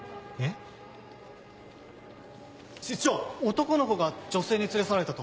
男の子が女性に連れ去られたと。